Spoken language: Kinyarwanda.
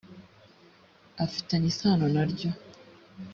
afitanye isano naryoi